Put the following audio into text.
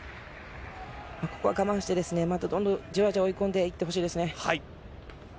ここは我慢して、またどんどんじわじわ追い込んでいってほしいですね。